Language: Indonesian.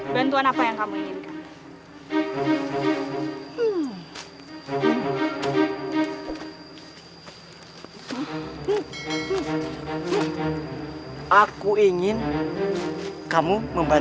bantuan apa yang kamu inginkan